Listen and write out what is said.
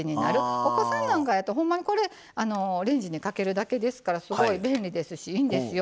お子さんなんかやとほんまにこれレンジにかけるだけですからすごい便利ですしいいんですよ。